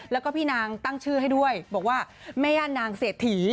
แล้วก็พี่นางตั้งชื่อให้ด้วยบอกว่าแม่ย่านางเศรษฐี